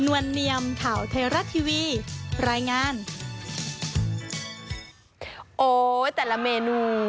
โอ้ยแต่ละเมนู